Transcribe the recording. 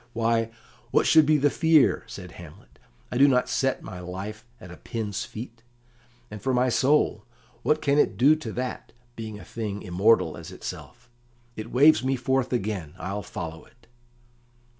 "Why, what should be the fear?" said Hamlet. "I do not set my life at a pin's fee; and for my soul, what can it do to that, being a thing immortal as itself? It waves me forth again. I'll follow it."